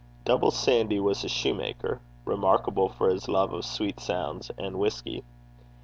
Double Sandy was a soutar, or shoemaker, remarkable for his love of sweet sounds and whisky.